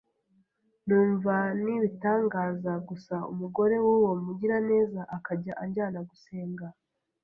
numva ni ibitangaza gusaUmugore w’uwo mugiraneza akajya anjyana gusenga